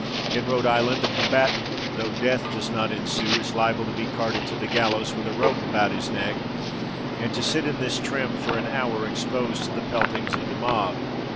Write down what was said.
In Rhode Island, the combatant, though death does not ensue, is liable to be carted to the gallows, with a rope about his neck, and to sit in this trim for an hour exposed to the peltings of the mob.